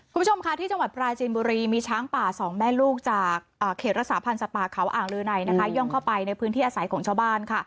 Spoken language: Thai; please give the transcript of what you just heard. คุณผู้ชมค่ะที่จังหวัดปราจีนบุรีมีช้างป่าสองแม่ลูกจากเขตรักษาพันธ์สัตว์ป่าเขาอ่างลือในนะคะย่องเข้าไปในพื้นที่อาศัยของชาวบ้านค่ะ